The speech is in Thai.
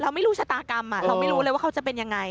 ไม่รู้ชะตากรรมเราไม่รู้เลยว่าเขาจะเป็นยังไง